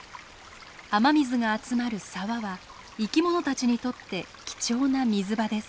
雨水が集まる沢は生きものたちにとって貴重な水場です。